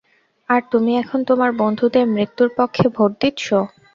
আর তুমি এখন তোমার বন্ধুদের মৃত্যুর পক্ষে ভোট দিচ্ছো।